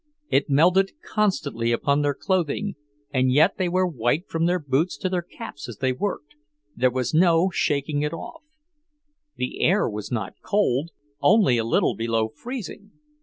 It melted constantly upon their clothing, and yet they were white from their boots to their caps as they worked, there was no shaking it off. The air was not cold, only a little below freezing.